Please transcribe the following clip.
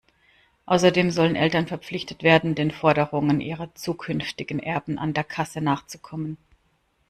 Außerdem sollen Eltern verpflichtet werden, den Forderungen ihrer zukünftigen Erben an der Kasse nachzukommen.